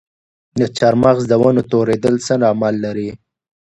د چهارمغز د ونو توریدل څه لامل لري؟